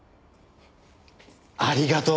ありがとう。